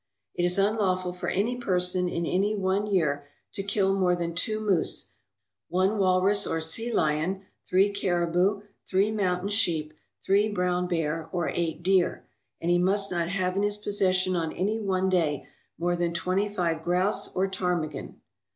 It is unlawful for any person, in any one year, to kill more than two moose, one walrus or sea lion, three caribou, three mountain sheep, three brown bear, or eight deer; and he must not have in his possession on any one day more than twenty five grouse or ptarmigan.